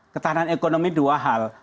ketahanan ekonomi dua hal